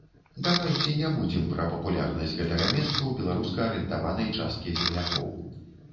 Давайце не будзем пра папулярнасць гэтага месца ў беларуска-арыентаванай часткі землякоў.